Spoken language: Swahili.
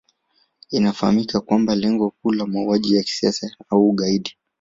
Inafahamika kwamba lengo kuu la mauaji ya kisiasa au ugaidi